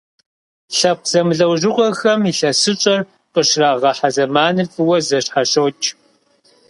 Лъэпкъ зэмылӀэужьыгъуэхэм ИлъэсыщӀэр къыщрагъэхьэ зэманыр фӀыуэ зэщхьэщокӀ.